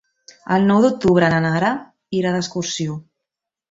El nou d'octubre na Lara irà d'excursió.